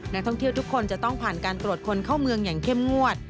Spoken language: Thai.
นักท่องเที่ยวทุกคนจะต้องผ่านการตรวจคนเข้าเมืองอย่างเข้มงวด